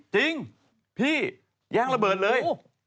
จริงพี่แย่งระเบิดเลย